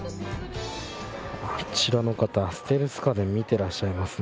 あちらの方、ステルス家電を見てらっしゃいますね。